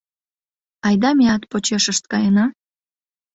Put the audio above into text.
Айда меат почешышт каена.